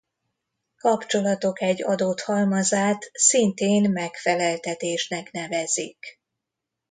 Kapcsolatok egy adott halmazát szintén megfeleltetésnek nevezik.